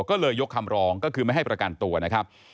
ก็เลยยกคำร้องก็คือไม่ให้ประกันตัวนะครับ